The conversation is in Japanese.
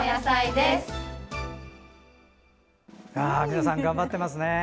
皆さん頑張ってますね。